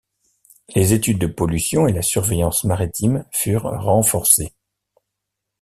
Les études de pollution et la surveillance maritime furent renforcés.